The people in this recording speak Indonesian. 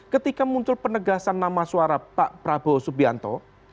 ketika muncul penegasan nama suara pak prabowo subianto